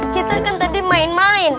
kita kan tadi main main